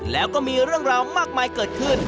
แล้วก็มีเรื่องราวมากมายเกิดขึ้น